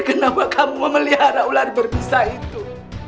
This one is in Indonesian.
kenapa kamu memelihara ular berbisa itu